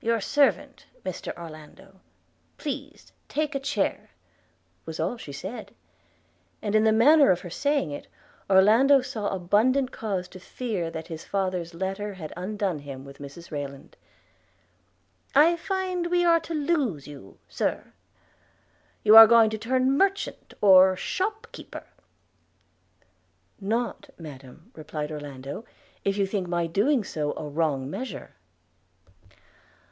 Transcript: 'Your servant, Mr Orlando – Please to take a chair,' was all she said; and in the manner of her saying it, Orlando saw abundant cause to fear that his father's letter had undone him with Mrs Rayland. 'I find we are to lose you, Sir! – you are going to turn merchant, or shop keeper!' 'Not, Madam,' replied Orlando, 'if you think my doing so a wrong measure.'